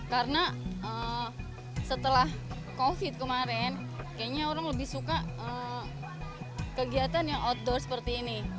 karena setelah covid kemarin kayaknya orang lebih suka kegiatan yang outdoor seperti ini